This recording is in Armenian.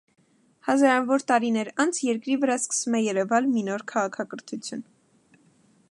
Հազարավոր տարիներ անց երկրի վրա սկում է երևալ մի նոր քաղաքակրթություն։